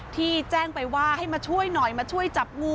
ที่แจ้งไปว่าให้มาช่วยหน่อยมาช่วยจับงู